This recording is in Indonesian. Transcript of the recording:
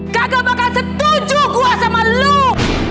kakak bakal setuju gua sama lu